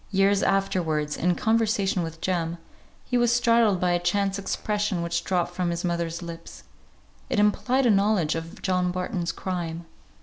Years afterwards in conversation with Jem, he was startled by a chance expression which dropped from his mother's lips; it implied a knowledge of John Barton's crime.